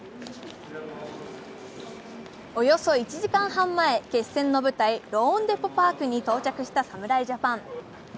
およそ１時間半前、決戦の地、ローンデポ・パークに到着した侍ジャパン。